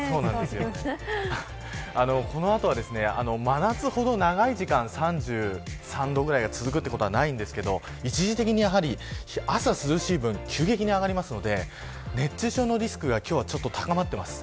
この後は真夏ほど長い時間３３度くらいが続くということはないですが一時的に、朝涼しい分急激に上がりますので熱中症のリスクが今日は高まっています。